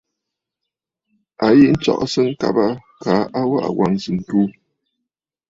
A yi nstsɔʼɔ ŋkabə kaa waʼà wàŋsə̀ ǹtu.